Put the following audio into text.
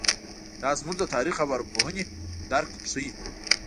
دا زموږ د تاریخ او ارواپوهنې درک ښيي.